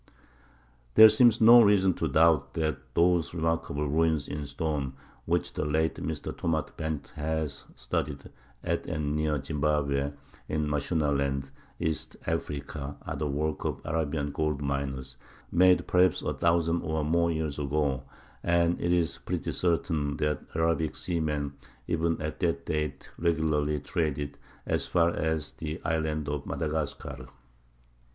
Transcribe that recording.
There seems no reason to doubt that those remarkable ruins in stone which the late Mr. Thomas Bent has studied at and near Zimbabwe, in Mashonaland, East Africa, are the work of Arabian gold miners, made perhaps a thousand or more years ago; and it is pretty certain that Arabic seamen even at that date regularly traded as far as the island of Madagascar.